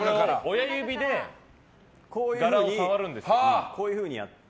親指でこういうふうにやって。